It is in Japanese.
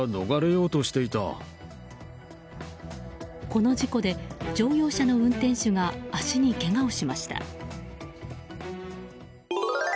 この事故で乗用車の運転手が足にけがをしました。